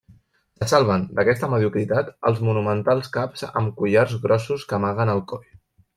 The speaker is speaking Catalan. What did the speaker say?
Se salven d'aquesta mediocritat els monumentals caps amb collars grossos que amaguen el coll.